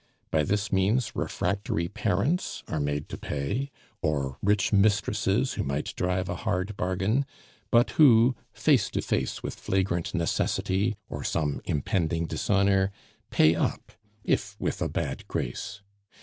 By this means refractory parents are made to pay, or rich mistresses who might drive a hard bargain, but who, face to face with flagrant necessity, or some impending dishonor, pay up, if with a bad grace.